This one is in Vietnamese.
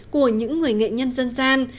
của những người nghệ nhân dân gian